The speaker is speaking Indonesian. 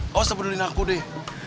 kau asal peduliin aku deh